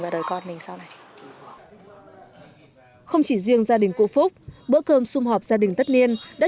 bữa cơm tất nhiên đã được cụ phúc duy trì hàng chục năm qua